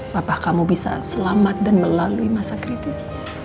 bapak kamu bisa selamat dan melalui masa kritis